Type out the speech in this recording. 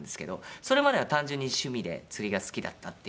それまでは単純に趣味で釣りが好きだったっていう。